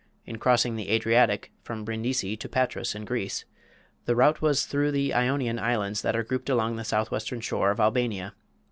In crossing the Adriatic, from Brindisi to Patras in Greece, the route was through the Ionian Islands that are grouped along the southwestern shore of Albania.